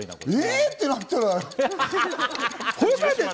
ってなったら。